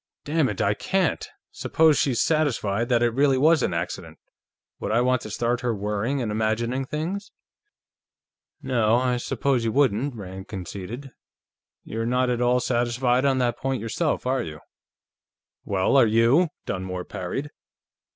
"Dammit, I can't! Suppose she's satisfied that it really was an accident; would I want to start her worrying and imagining things?" "No, I suppose you wouldn't," Rand conceded. "You're not at all satisfied on that point yourself, are you?" "Well, are you?" Dunmore parried.